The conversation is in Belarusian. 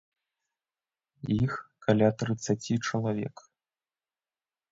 Іх каля трыццаці чалавек.